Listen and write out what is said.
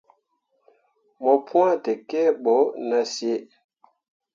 Mo pwãa tekǝbo nah sǝǝ.